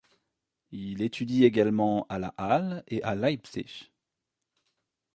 Il étudie également à la Halle et à Leipzig.